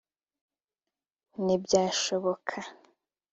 Ntibyashoboka